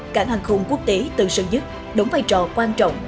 cảng hàng không quốc tế từ sân nhất đóng vai trò quan trọng